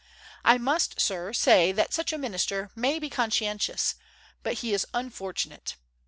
I must, sir, say that such a minister may be conscientious, but he is unfortunate....